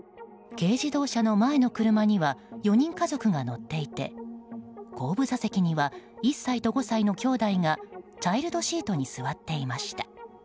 軽自動車の前の車には４人家族が乗っていて後部座席には１歳と５歳のきょうだいがチャイルドシートに座っていました。